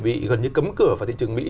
bị gần như cấm cửa vào thị trường mỹ